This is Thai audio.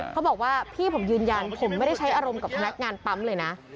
เขาบอกว่าพี่ผมยืนยันผมไม่ได้ใช้อารมณ์กับพนักงานปั๊มเลยนะ